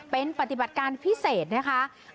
เป็นปฏิบัติการพิเศษนะคะ